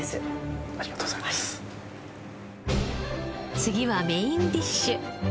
次はメインディッシュ！